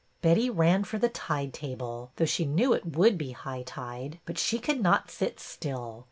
Betty ran for the tide table, though she knew it would be high tide; but she could not sit still.